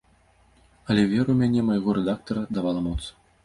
Але вера ў мяне майго рэдактара давала моц.